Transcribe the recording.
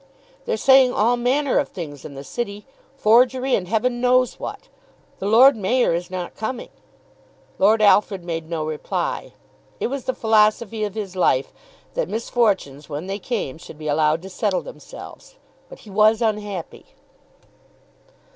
"They're saying all manner of things in the City; forgery and heaven knows what. The Lord Mayor is not coming." Lord Alfred made no reply. It was the philosophy of his life that misfortunes when they came should be allowed to settle themselves. But he was unhappy.